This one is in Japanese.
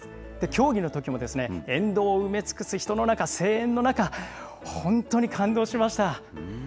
競技のときも、沿道を埋め尽くす人の中、声援の中、本当に感動しました。